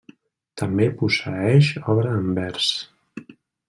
També posseeix obra en vers.